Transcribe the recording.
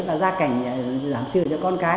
và ra cảnh giảm trừ cho con cái